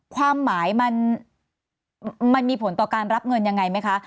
ความหมายมันมีผลต่อการรับเงินยังไงไหมคะ